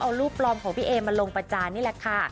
เอารูปปลอมของพี่เอมาลงประจานนี่แหละค่ะ